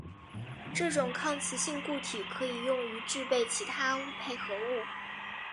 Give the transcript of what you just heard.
这种抗磁性固体可以用于制备其它钨配合物。